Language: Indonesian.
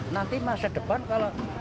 nanti masa depan kalau